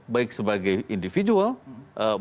baik sebagai individual baik sebagai